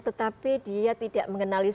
tetapi dia tidak mengenali